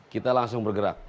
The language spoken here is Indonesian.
kita langsung bergerak